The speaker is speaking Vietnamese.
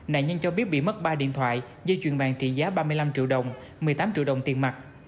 nạn nhân cho biết bị mất ba điện thoại dây chuyền vàng trị giá ba mươi năm triệu đồng một mươi tám triệu đồng tiền mặt